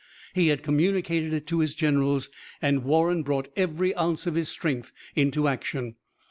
He had communicated it to his generals, and Warren brought every ounce of his strength into action.